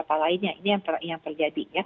jadi ini adalah yang terjadi